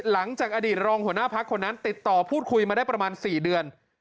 หลังจากอดีตรองหัวหน้าพักคนนั้นติดต่อพูดคุยมาได้ประมาณ๔เดือน